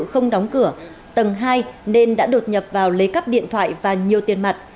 không đóng cửa tầng hai nên đã đột nhập vào lấy cắp điện thoại và nhiều tiền mặt